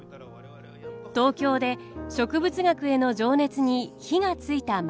東京で植物学への情熱に火がついた万太郎。